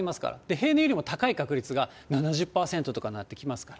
平年よりも高い確率が７０％とかになってきますから。